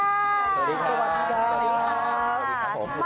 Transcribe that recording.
สวัสดีค่ะ